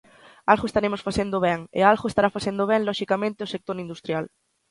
Algo estaremos facendo ben, e algo estará facendo ben, loxicamente, o sector industrial.